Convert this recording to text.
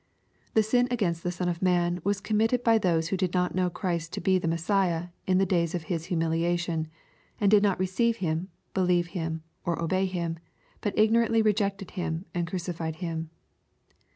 — The sin against the Son of man was committed by those who did not know Christ to be the Messiah in the days of His humiliation, and did not receive Him, believe Him, or obey Him, but ignorantly rejected Him, and crucified Him.